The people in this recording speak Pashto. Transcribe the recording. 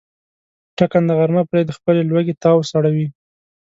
ټکنده غرمه پرې د خپلې لوږې تاو سړوي.